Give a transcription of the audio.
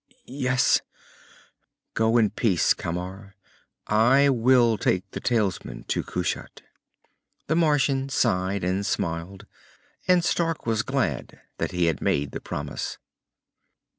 "Yes?" "Go in peace, Camar. I will take the talisman to Kushat." The Martian sighed, and smiled, and Stark was glad that he had made the promise.